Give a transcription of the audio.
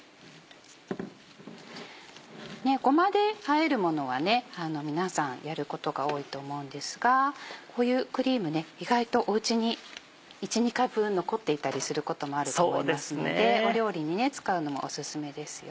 ごまであえるものは皆さんやることが多いと思うんですがこういうクリーム意外とおうちに１２回分残っていたりすることもあると思いますので料理に使うのもオススメですよ。